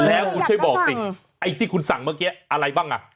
แล้วคุณช่วยบอกสิไอ้ที่คุณสั่งเมื่อกี้อะไรบ้างอ่ะ